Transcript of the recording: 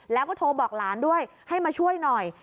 แล้วก็โทรบอกหลานด้วยให้มาช่วยหน่อย